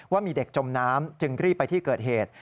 ว่ามีเด็กจมน้ำจึงรีบไปที่เกิดเหตุ